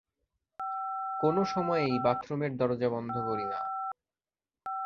কোনো সময়েই বাথরুমের দরজা বন্ধ করি না।